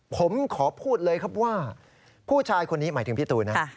ผมขอพูดเลยครับว่าผู้ชายคนนี้หมายถึงพี่ตูนนะ